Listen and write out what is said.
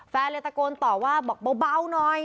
แฟนเลยตะโกนต่อว่าบอกเบาหน่อย